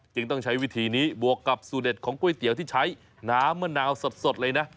ต้องใช้วิธีนี้บวกกับสูตเด็ดของก๋วยเตี๋ยวที่ใช้น้ำมะนาวสดเลยนะ